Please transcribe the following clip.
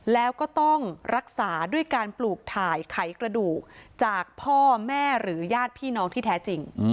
แล้วก็ต้องรักษาด้วยการปลูกถ่ายไขกระดูกจากพ่อแม่หรือญาติพี่น้องที่แท้จริง